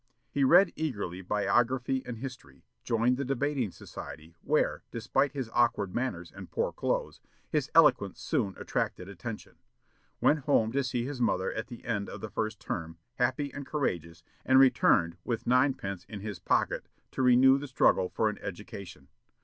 He read eagerly biography and history; joined the debating society, where, despite his awkward manners and poor clothes, his eloquence soon attracted attention; went home to see his mother at the end of the first term, happy and courageous, and returned with ninepence in his pocket, to renew the struggle for an education.